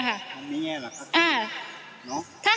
ทำวิ่งแย่หรอกครับอะ